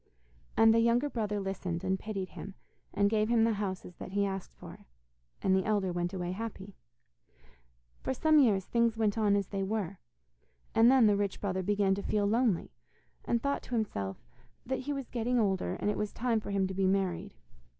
And the younger brother listened and pitied him, and gave him the houses that he asked for, and the elder went away happy. For some years things went on as they were, and then the rich brother began to feel lonely, and thought to himself that he was getting older, and it was time for him to be married.